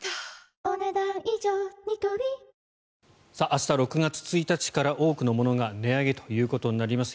明日６月１日から多くのものが値上げとなります。